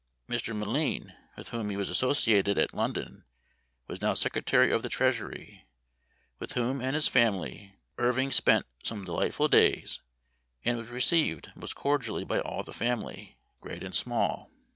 Mr. M'Lean, with whom he was associated at London, was now Secretary of the Treasury, with whom and his family, Irving spent some delightful days, and was received most cordially by all the family, great and small.